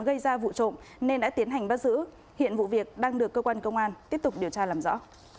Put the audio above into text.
gây ra vụ trộm nên đã tiến hành bắt giữ hiện vụ việc đang được cơ quan công an tiếp tục điều tra làm rõ